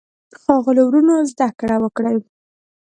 ښاغلو وروڼو زده کړه وکړئ.